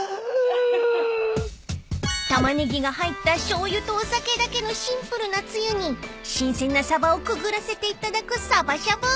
［タマネギが入ったしょうゆとお酒だけのシンプルなつゆに新鮮なサバをくぐらせて頂くさばしゃぶ］